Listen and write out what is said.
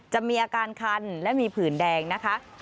จะมีอาการคันและมีผื่นแดงนะคะ